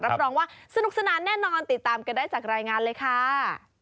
รับรองว่าสนุกสนานแน่นอนติดตามกันได้จากรายงานเลยค่ะ